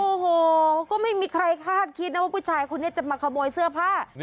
โอ้โหก็ไม่มีใครคาดคิดนะว่าผู้ชายคนนี้จะมาขโมยเสื้อผ้า